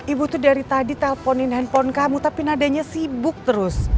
ibu tuh dari tadi telponin handphone kamu tapi nadanya sibuk terus